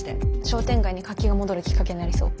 商店街に活気が戻るきっかけになりそう。